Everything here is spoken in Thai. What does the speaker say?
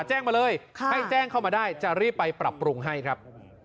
แจ้งมาเลยให้แจ้งเข้ามาได้จะรีบไปปรับปรุงให้ครับ